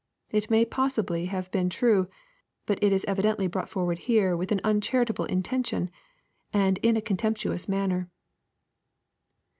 It may possibly have been true, but it is evidently brought forward here with an unchariir able intention, and in a contemptuous manner.